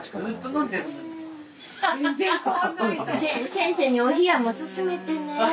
先生にお冷やも勧めてね。